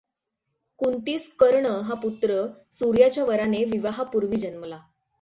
कुंतीस कर्ण हा पुत्र सूर्याच्या वराने विवाहापूर्वी जन्मला.